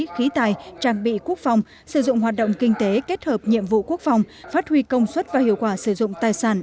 khí tài trang bị quốc phòng sử dụng hoạt động kinh tế kết hợp nhiệm vụ quốc phòng phát huy công suất và hiệu quả sử dụng tài sản